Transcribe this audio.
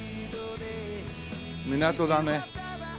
港だね。